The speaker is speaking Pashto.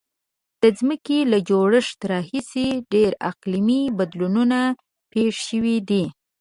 د ځمکې له جوړښت راهیسې ډیر اقلیمي بدلونونه پیښ شوي دي.